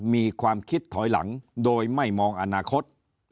มีความคิดถอยหลังโดยไม่มองอนาคต